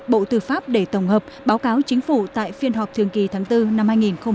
bộ tư pháp để tổng hợp báo cáo chính phủ tại phiên họp thường kỳ tháng bốn năm hai nghìn hai mươi